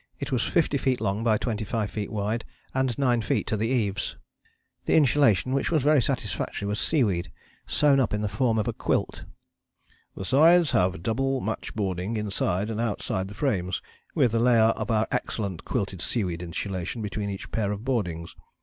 It was 50 feet long, by 25 feet wide, and 9 feet to the eaves. The insulation, which was very satisfactory, was seaweed, sewn up in the form of a quilt. "The sides have double [match ] boarding inside and outside the frames, with a layer of our excellent quilted seaweed insulation between each pair of boardings.